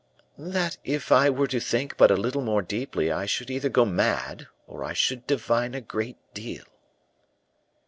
"That if I were to think but a little more deeply I should either go mad or I should divine a great deal."